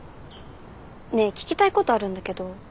ねえ聞きたいことあるんだけど。